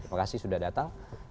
terima kasih sudah datang